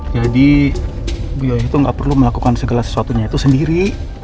jadi bu yoyah itu enggak perlu melakukan segala sesuatunya itu sendiri